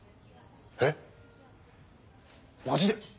えっマジで？